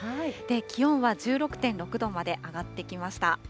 気温は１６．６度まで上がってきました。